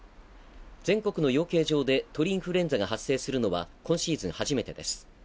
全国の養鶏場で鳥インフルエンザが発生するのは今シーズン初めてです。